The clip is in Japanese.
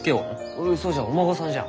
うんそうじゃお孫さんじゃ。